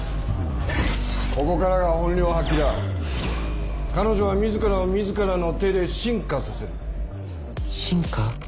ここからが本領発揮だ彼女は自らを自らの手で進化させる進化？